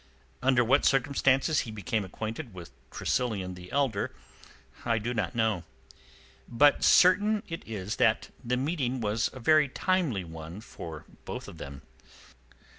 Under what circumstances he became acquainted with Tressilian the elder I do not know. But certain it is that the meeting was a very timely one for both of them.